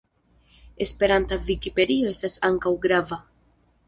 Esperanta vikipedio estas ankaŭ grava.